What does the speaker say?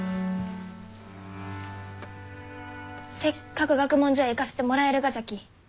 せっかく学問所へ行かせてもらえるがじゃき。